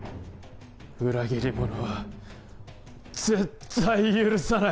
裏切り者は絶対に許さない。